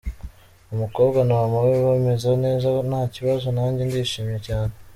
Umukobwa na mama we bameze neza nta kibazo, nanjye ndishimye cyane.